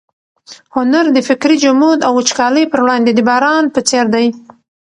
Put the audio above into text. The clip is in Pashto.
هنر د فکري جمود او وچکالۍ پر وړاندې د باران په څېر دی.